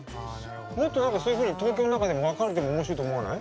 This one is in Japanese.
もっと何かそういうふうに東京の中でも分かれても面白いと思わない？